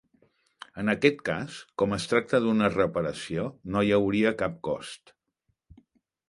En aquest cas, com es tracta d'una reparació no hi hauria cap cost.